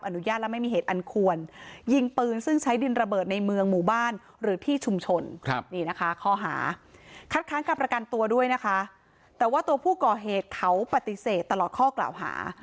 นะคะแต่ว่าตัวผู้ก่อเหตุเขาปฏิเสธตลอดข้อกล่าวหา